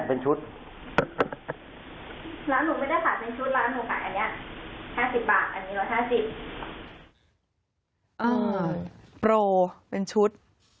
เอ่อโปรเป็นชุด